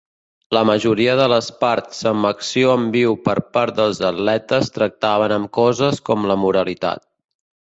La majoria de les parts amb acció en viu per part dels atletes tractaven amb coses com la moralitat.